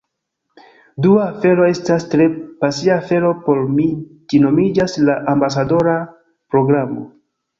Dua afero, estas tre pasia afero por mi ĝi nomiĝas "La ambasadora programo"